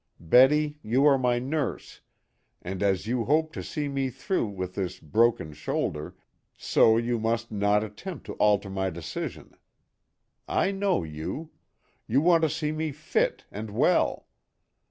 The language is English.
Betty, you are my nurse, and as you hope to see me through with this broken shoulder, so you must not attempt to alter my decision. I know you. You want to see me fit and well.